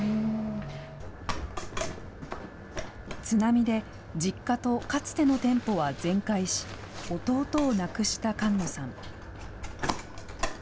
津波で実家とかつての店舗は全壊し、弟を亡くした菅野さん。